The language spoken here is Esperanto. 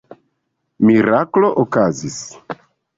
Miraklo okazis.